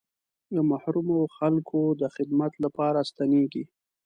د محرومو خلکو د خدمت لپاره ستنېږي.